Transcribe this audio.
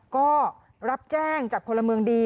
ก็รับแจ้งจากพลเมืองดี